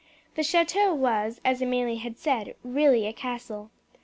The chateau was, as Amelie had said, really a castle.